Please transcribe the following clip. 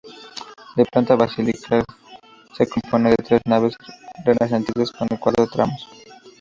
De planta basilical, se compone de tres naves renacentistas con cuatro tramos.